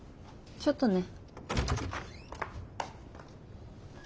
ちょっとね。